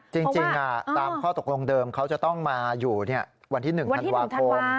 จริงตามข้อตกลงเดิมเขาจะต้องมาอยู่วันที่๑ธันวาคม